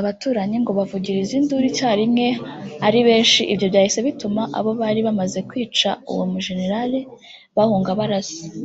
Abaturanyi ngo bavugiriza induru icyarimwe ari benshi ibyo byahise bituma abo bari bamaze kwica uwo mujenerali bahunga barasa